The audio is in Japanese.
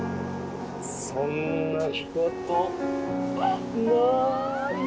そんなことないよ！